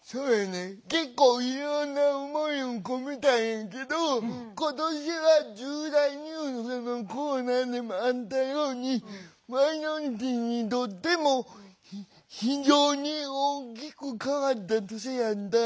結構いろんな思いを込めたんやけど今年は重大ニュースのコーナーでもあったようにマイノリティーにとっても非常に大きく変わった年なんだ。